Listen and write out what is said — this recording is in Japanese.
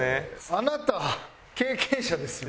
あなた経験者ですよね？